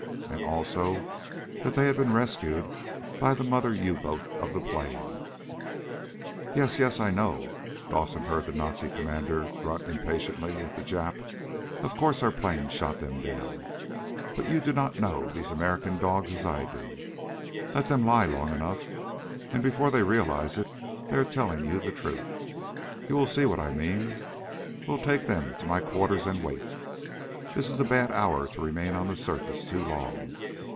And, also, that they had been rescued by the mother U boat of the plane. "Yes, yes, I know!" Dawson heard the Nazi commander grunt impatiently at the Jap. "Of course our plane shot them down. But you do not know these American dogs as I do. Let them lie long enough and before they realize it they are telling you the truth. You will see what I mean. Well, take them to my quarters, and wait. This is a bad hour to remain on the surface too long.